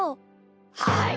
はい。